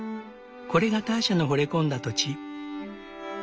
これがターシャのほれ込んだ土地。